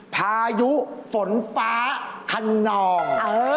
พายุฝนฟ้าขนอง